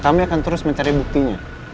kami akan terus mencari buktinya